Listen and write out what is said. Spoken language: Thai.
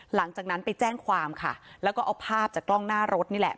หลังจากนั้นไปแจ้งความค่ะแล้วก็เอาภาพจากกล้องหน้ารถนี่แหละ